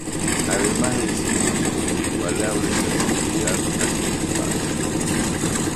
Además de su inigualable sensibilidad hacia su padre.